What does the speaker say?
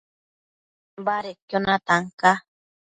Badedquio natan ca